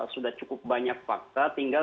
sudah cukup banyak fakta tinggal